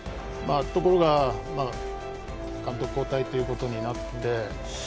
ところが監督交代ということになって。